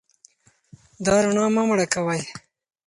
دا رڼا مه مړه کوئ.